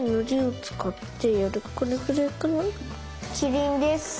きりんです。